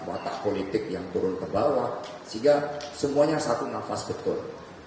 watah politik yang turun ke bawah sehingga semuanya satu nafas betul